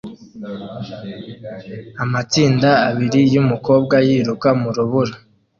Amatsinda abiri yumukobwa yiruka mu rubura